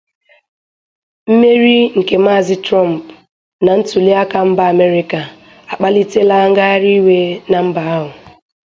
Mmeri nke maazị Trump na ntụliakaelu mba Amerịka akpalitela ngagharị iwe na mba ahụ